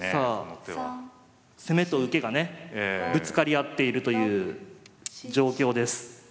攻めと受けがねぶつかり合っているという状況です。